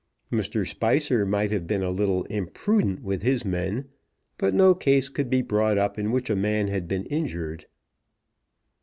Mr. Spicer might have been a little imprudent with his men; but no case could be brought up in which a man had been injured.